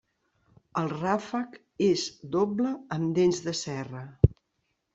El ràfec és doble amb dents de serra.